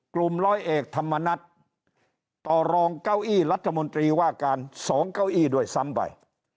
ร้อยเอกธรรมนัฏต่อรองเก้าอี้รัฐมนตรีว่าการ๒เก้าอี้ด้วยซ้ำไป